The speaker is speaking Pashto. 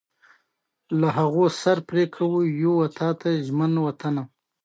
له دې امله ځان سخت مقصر راته ښکاري.